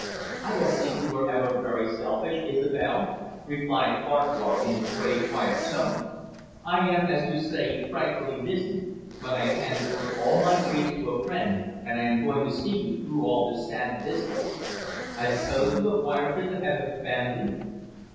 "I don't think you were ever very selfish, Isobel," replied Farquhar in his grave, quiet tones. "I am, as you say, frightfully busy, but I have handed over all my briefs to a friend, and I am going to see you through all this sad business. I suppose you have wired to the Head of the Family?"